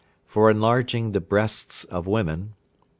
For enlarging the breasts of women.